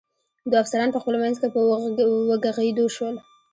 دوه افسران په خپل منځ کې په وږغېدو شول.